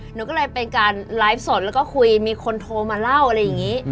หนูก็เลยเป็นการไลฟ์สดแล้วก็คุยมีคนโทรมาเล่าอะไรอย่างนี้